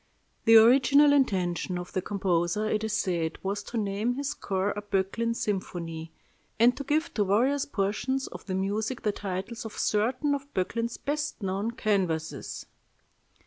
The original intention of the composer, it is said, was to name his score a "Böcklin" symphony, and to give to various portions of the music the titles of certain of Böcklin's best known canvases.